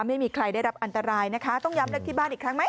ไม่มีใครได้รับอันตรายนะคะต้องย้ำเลขที่บ้านอีกครั้งไหม